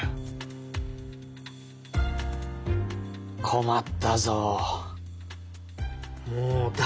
困ったぞ。